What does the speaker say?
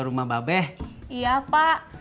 rumah babe iya pak